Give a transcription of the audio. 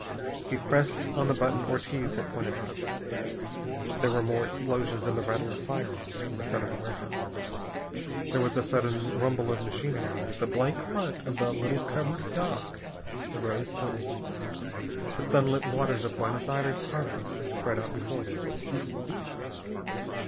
He pressed on the button Ortiz had pointed out. There were more explosions and the rattle of firearms from the front of the warehouse. There was a sudden rumble of machinery and the blank front of the little covered dock rose suddenly. The sunlit waters of Buenos Aires harbor spread out before them.